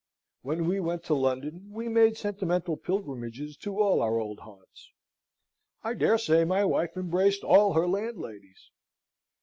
When we went to London, we made sentimental pilgrimages to all our old haunts. I dare say my wife embraced all her landladies.